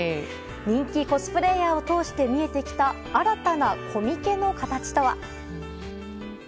人気コスプレーヤーを通して見えてきた新たなコミケの形とは。